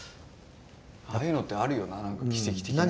ああいうのってあるよななんか奇跡的な。